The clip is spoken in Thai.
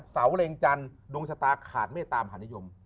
เร็งจันทร์ดวงชะตาขาดเมตตามหานิยม